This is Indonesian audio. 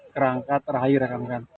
kerangka terakhir rekan rekan